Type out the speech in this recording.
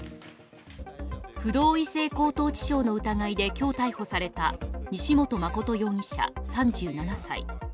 不同意性交等致傷の疑いで今日逮捕された西本誠容疑者３７歳。